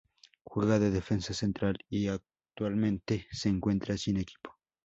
Juega de defensa central y actualmente se encuentra sin equipo.